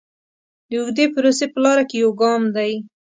د اوږدې پروسې په لاره کې یو ګام دی.